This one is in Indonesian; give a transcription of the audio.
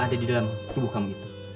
di dalam tubuh kamu itu